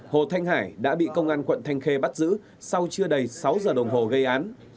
hồ thanh hải đã bị công an quận thanh khê bắt giữ sau chưa đầy sáu giờ đồng hồ gây án